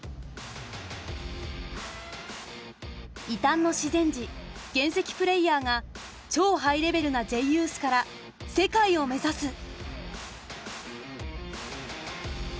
「異端の自然児『原石』プレーヤーが超ハイレベルな『Ｊユース』から『世界』を目指す！」。